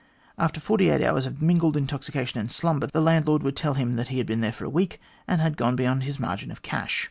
After forty eight hours of mingled intoxication and slumber, the landlord would tell him that he had been there a week, and had gone beyond his margin of cash.